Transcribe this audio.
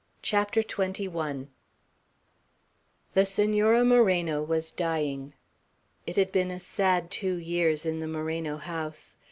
Pray! Pray!" XXI THE Senora Moreno was dying. It had been a sad two years in the Moreno house.